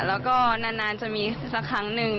แล้วก็นานจะมีสักครั้งหนึ่ง